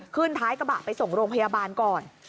ท้ายกระบะไปส่งโรงพยาบาลก่อน